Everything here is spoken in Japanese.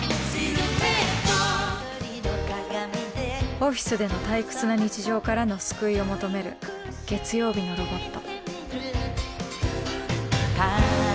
オフィスでの退屈な日常からの救いを求める「月曜日のロボット」。